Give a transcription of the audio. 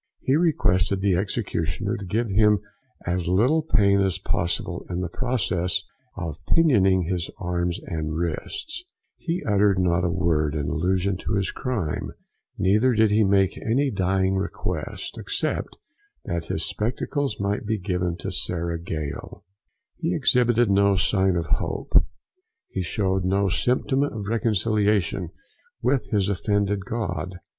He requested the executioner to give him as little pain as posiible in the process of pinioning his arms and wrists; he uttered not a word in allusion to his crime; neither did he make any dying request, except that his spectacles might be given to Sarah Gale; he exhibited no sign of hope; he showed no symptom of reconciliation with his offended God!